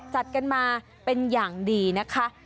จัดกันมาเป็นอย่างดีนะคะ